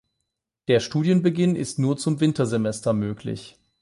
Der Studienbeginn ist nur zum Wintersemester möglich.